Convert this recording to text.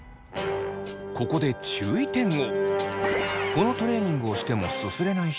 ここで注意点を！